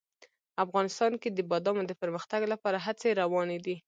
افغانستان کې د بادامو د پرمختګ لپاره هڅې روانې دي.